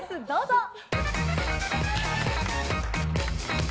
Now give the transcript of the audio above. どうぞ。